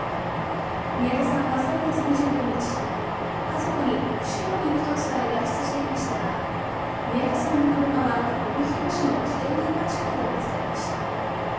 宮田さんは先月２９日家族に釧路に行くと伝え外出していましたが宮田さんの車は帯広市の事件現場近くで見つかりました。